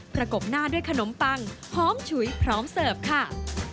กบหน้าด้วยขนมปังหอมฉุยพร้อมเสิร์ฟค่ะ